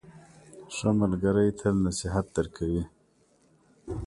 ښه ملګری تل نصیحت درکوي.